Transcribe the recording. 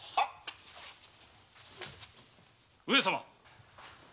上様！